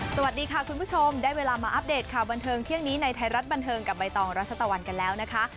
สวัสดีค่ะคุณผู้ชมได้เวลามาอัปเดตข่าวบันเทิงเที่ยงนี้ในไทยรัฐบันเทิงกับใบตองรัชตะวันกันแล้วนะคะ